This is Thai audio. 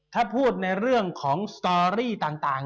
ถ้าพูดในเรื่องของสตอรี่ต่าง